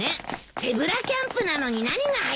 手ぶらキャンプなのに何が入ってるの？